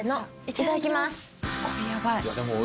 いただきます。